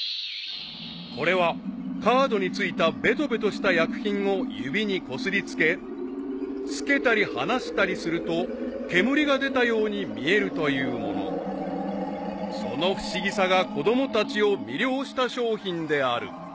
［これはカードに付いたベトベトした薬品を指にこすり付け付けたり離したりすると煙が出たように見えるというもの］［その不思議さが子供たちを魅了した商品である］